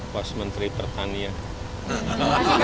pas menteri pertanian